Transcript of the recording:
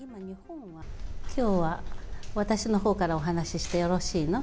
きょうは私のほうからお話ししてよろしいの？